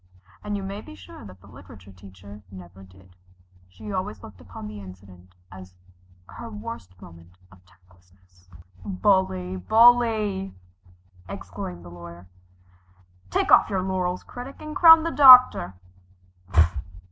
And you may be sure that the literature teacher never did. She always looked upon the incident as her worst moment of tactlessness. "Bully, bully!" exclaimed the Lawyer, "Take off your laurels, Critic, and crown the Doctor!"